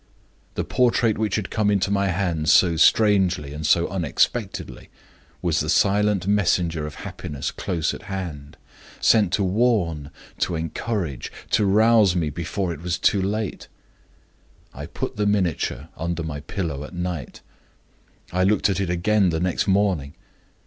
The portrait which had come into my hands so strangely and so unexpectedly was the silent messenger of happiness close at hand, sent to warn, to encourage, to rouse me before it was too late. I put the miniature under my pillow at night; I looked at it again the next morning.